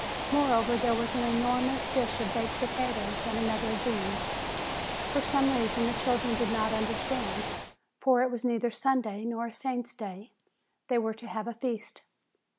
Moreover, there was an enormous dish of baked potatoes and another of beans. For some reason the children did not understand, for it was neither Sunday nor a saint's day, they were to have a feast.